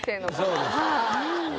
そうですか。